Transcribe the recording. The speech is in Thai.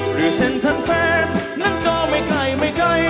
รีเซ็นทันเฟสนั้นก็ไม่ไกลไม่ไกล